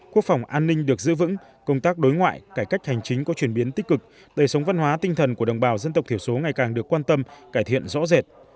quốc phòng an ninh được giữ vững công tác đối ngoại cải cách hành chính có chuyển biến tích cực đời sống văn hóa tinh thần của đồng bào dân tộc thiểu số ngày càng được quan tâm cải thiện rõ rệt